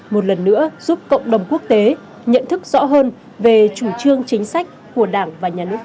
một lần nữa giúp cộng đồng quốc tế nhận thức rõ hơn về chủ trương chính sách của đảng và nhà nước ta